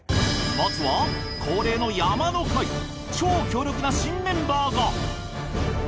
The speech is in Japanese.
まずは恒例の超強力な新メンバーが！